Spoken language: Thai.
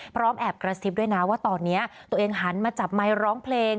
แอบกระซิบด้วยนะว่าตอนนี้ตัวเองหันมาจับไมค์ร้องเพลง